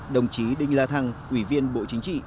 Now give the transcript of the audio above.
đồng chí đinh la thăng ủy viên bộ chính trị